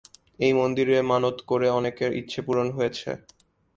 এই মন্দিরে মানত করে অনেকের ইচ্ছে পূরণ হয়েছে।